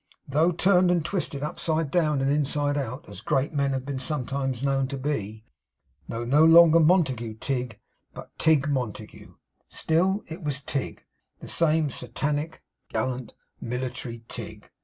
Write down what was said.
Though turned and twisted upside down, and inside out, as great men have been sometimes known to be; though no longer Montague Tigg, but Tigg Montague; still it was Tigg; the same Satanic, gallant, military Tigg.